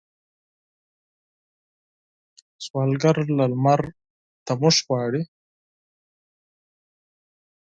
سوالګر له لمر تودوخه غواړي